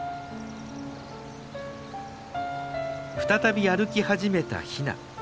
再び歩き始めたヒナ。